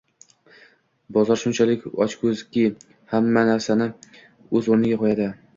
Bozor shunchalik ochko'zki, hamma narsani o'z o'rniga qo'yadi